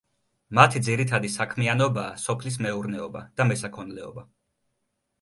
მათი ძირითადი საქმიანობაა სოფლის მეურნეობა და მესაქონლეობა.